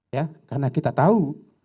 ya karena kita tahu yang dilakukan